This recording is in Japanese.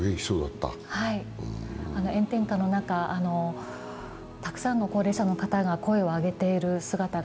炎天下の中、たくさんの高齢者の方が声を上げているのが